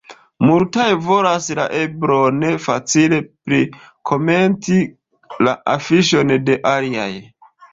Multaj volas la eblon facile prikomenti la afiŝon de aliaj.